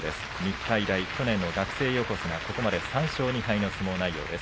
日体大、去年の学生横綱ここまで３勝２敗の相撲内容です。